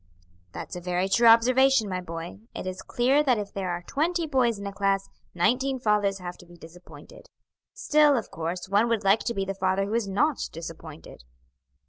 "That's a very true observation, my boy. It is clear that if there are twenty boys in a class, nineteen fathers have to be disappointed. Still, of course, one would like to be the father who is not disappointed."